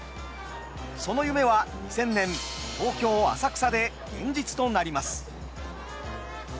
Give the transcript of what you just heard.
その夢は２０００年東京・浅草で現実となります。